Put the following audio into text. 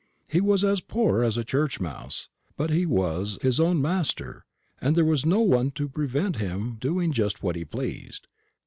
He was as poor as a church mouse, but he was his own master, and there was no one to prevent him doing just what he pleased.